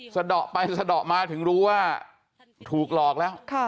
สะดอกไปสะดอกมาถึงรู้ว่าถูกหลอกแล้ว